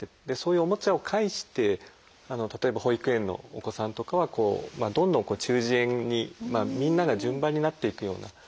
でそういうおもちゃを介して例えば保育園のお子さんとかはこうどんどんこう中耳炎にみんなが順番になっていくような。